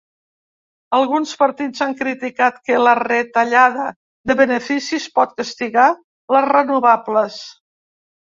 Alguns partits han criticat que la retallada de beneficis pot castigar les renovables.